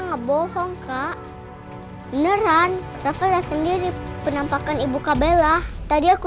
nggak bohong kak beneran rafa lihat sendiri penampakan ibu kabelah tadi aku